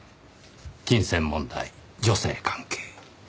金銭問題女性関係。